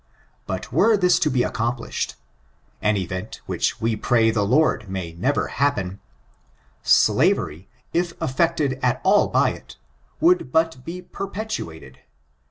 But were this to be accomplished (an event which we pray the Lord may never happen), slavery, if affected at all by it, would but be perpetuated.